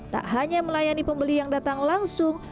tak hanya melayani pembeli yang datang langsung